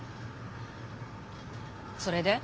それで？